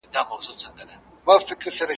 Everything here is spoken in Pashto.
دبابا زړه يې لا شين ؤ ,